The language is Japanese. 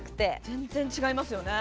全然違いますよね。